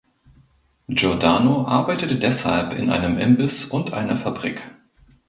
Giordano arbeitete deshalb in einem Imbiss und einer Fabrik.